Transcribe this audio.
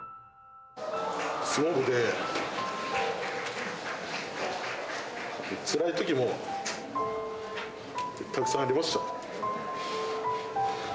相撲部で、つらいときもたくさんありました。